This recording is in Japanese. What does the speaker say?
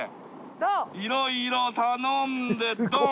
いろいろ頼んでドン！